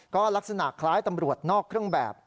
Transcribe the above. ก็ลักษณะคล้ายตำรวจนอกเครื่องแบบ